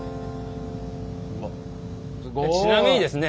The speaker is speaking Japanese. ちなみにですね